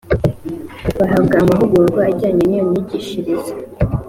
bahabwa amahugurwa ajyanye n iyo myigishirize